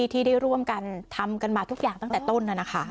ที่ได้ร่วมกันทำกันมาทุกอย่างตั้งแต่ต้น